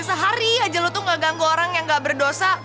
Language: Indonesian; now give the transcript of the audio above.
sehari aja lu tuh ga ganggu orang yang ga berdosa